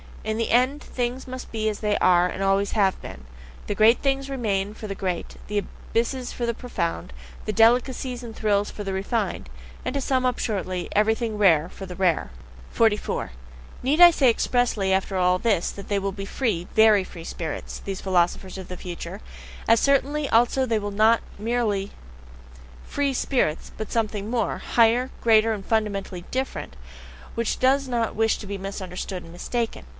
In the end things must be as they are and have always been the great things remain for the great, the abysses for the profound, the delicacies and thrills for the refined, and, to sum up shortly, everything rare for the rare. 44. Need I say expressly after all this that they will be free, VERY free spirits, these philosophers of the future as certainly also they will not be merely free spirits, but something more, higher, greater, and fundamentally different, which does not wish to be misunderstood and mistaken?